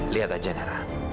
lihat aja nara